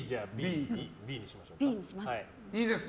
Ｂにします。